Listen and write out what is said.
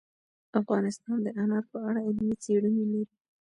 افغانستان د انار په اړه علمي څېړنې لري.